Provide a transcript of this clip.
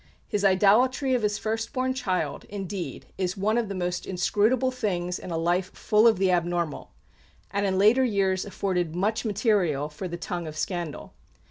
His idolatry of his first born child, indeed, is one of the most inscrutable things in a life full of the abnormal, and in later years afforded much material for the tongue of scandal.